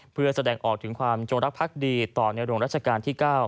เพื่อแสดงออกถึงความจงรักภักดีต่อในหลวงรัชกาลที่๙